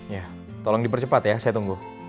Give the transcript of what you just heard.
ya tolong dipercepat ya saya tunggu